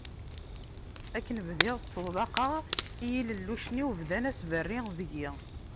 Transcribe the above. Akken bdiɣ ttaḍlaqeɣ i yilellucen-iw bdan asberri deg-i.